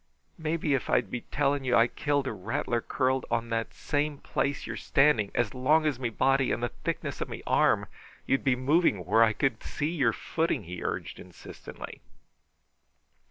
"Maybe if I'd be telling you I killed a rattler curled upon that same place you're standing, as long as me body and the thickness of me arm, you'd be moving where I can see your footing," he urged insistently.